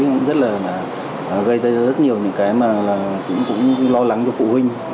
cũng rất là gây ra rất nhiều những cái mà là cũng lo lắng cho phụ huynh